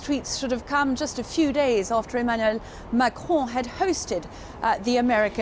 tweet nya harus datang beberapa hari setelah emmanuel macron menguasai presiden amerika